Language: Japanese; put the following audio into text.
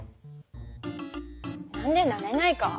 何でなれないか？